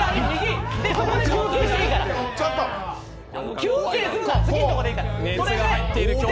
休憩するな、次のところでいいから。